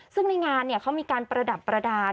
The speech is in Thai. ซึ่งในงานเขามีการประดับประดาษ